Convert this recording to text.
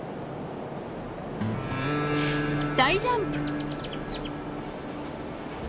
大ジャンプ！